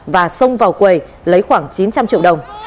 và xông vào quầy lấy khoảng chín trăm linh triệu đồng